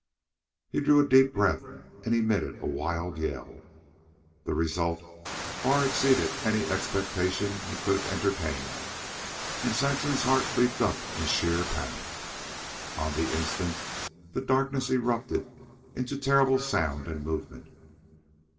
He drew a deep breath and emitted a wild yell. The result far exceeded any expectation he could have entertained, and Saxon's heart leaped up in sheer panic. On the instant the darkness erupted into terrible sound and movement.